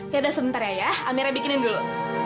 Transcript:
yaudah sebentar ya ya amira bikinin dulu